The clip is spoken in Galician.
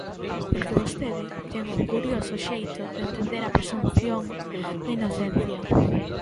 Porque vostede ten un curioso xeito de entender a presunción de inocencia.